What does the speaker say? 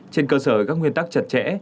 trên cơ sở các nguyên tắc chặt chẽ